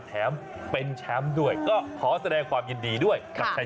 แถมเป็นแชมป์ด้วยก็ขอแสดงความยินดีด้วยค่ะขอแสดงความยินดีด้วย